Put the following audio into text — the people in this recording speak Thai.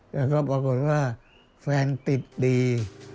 แล้วก็บอกก่อนว่าแฟนติดดี